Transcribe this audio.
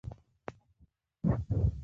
کاکړۍ غاړي